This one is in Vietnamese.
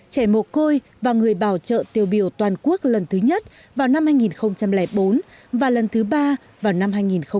trẻ mồ côi và người bảo trợ tiêu biểu toàn quốc lần thứ nhất vào năm hai nghìn bốn và lần thứ ba vào năm hai nghìn một mươi